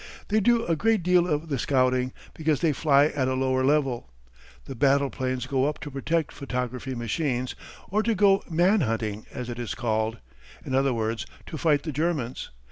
They do a great deal of the scouting, because they fly at a lower level. The battle planes go up to protect photography machines, or to go man hunting, as it is called; in other words, to fight the Germans.